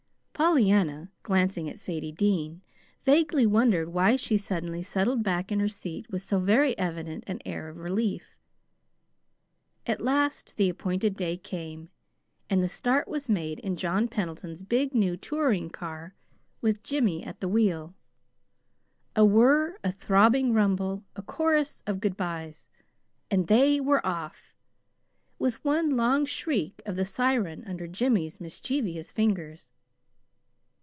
Pollyanna, glancing at Sadie Dean, vaguely wondered why she suddenly settled back in her seat with so very evident an air of relief. At last the appointed day came, and the start was made in John Pendleton's big new touring car with Jimmy at the wheel. A whir, a throbbing rumble, a chorus of good bys, and they were off, with one long shriek of the siren under Jimmy's mischievous fingers.